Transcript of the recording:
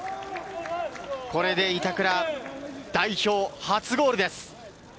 これで板倉、代表初ゴールです。